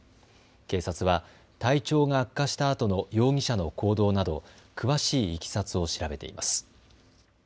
警察は体調が悪化したあとの容疑者の行動など詳しいいきさつを調べています。